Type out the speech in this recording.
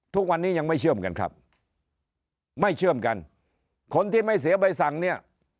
ทุกวันนี้ยังไม่เชื่อมกันครับไม่เชื่อมกันคนที่ไม่เสียใบสั่งเนี่ย